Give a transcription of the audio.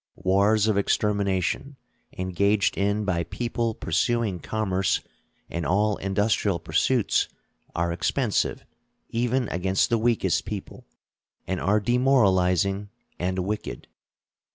Wars of extermination, engaged in by people pursuing commerce and all industrial pursuits, are expensive even against the weakest people, and are demoralizing and wicked.